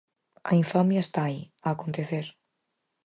A infamia está aí, a acontecer.